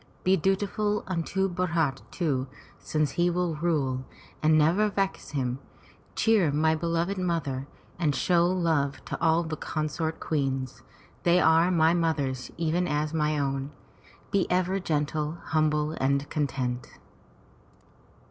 Be dutiful unto Bharat, too, since he will rule, and never vex him; cheer my beloved mother, and show love to all the consort queens — they are my mothers even as mine own. Be ever gentle, humble and content."